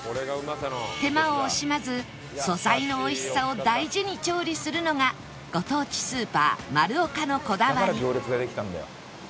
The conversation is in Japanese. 手間を惜しまず素材の美味しさを大事に調理するのがご当地スーパーまるおかのこだわり